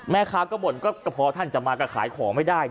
แม่ค้าก็บ่นก็พอท่านจะมาก็ขายของไม่ได้